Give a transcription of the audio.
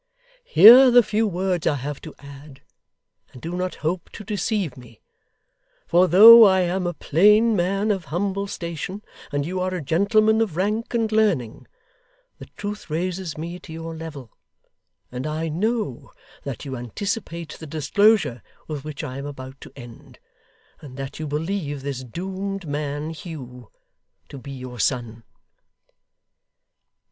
Hear the few words I have to add, and do not hope to deceive me; for though I am a plain man of humble station, and you are a gentleman of rank and learning, the truth raises me to your level, and I KNOW that you anticipate the disclosure with which I am about to end, and that you believe this doomed man, Hugh, to be your son.